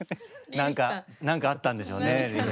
何か何かあったんでしょうね。